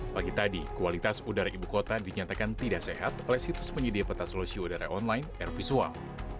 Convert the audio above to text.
pagi tadi kualitas udara ibu kota dinyatakan tidak sehat oleh situs penyedia peta solusi udara online air visual